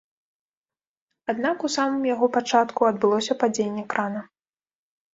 Аднак у самым яго пачатку, адбылося падзенне крана.